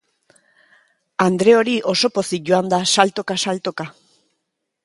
Andre hori oso pozik joan da, saltoka-saltoka.